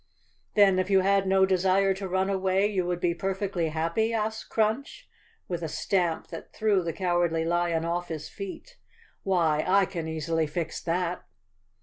"Then if you had no desire to run away you would be perfectly happy?" asked Crunch, with a stamp that threw the Cowardly Lion off his feet. " Why, I can eas¬ ily fix that!"